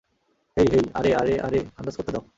হেই, hey, আরে, আরে, আরে, আন্দাজ করতে দাও।